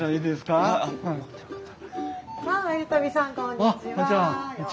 あっこんにちは。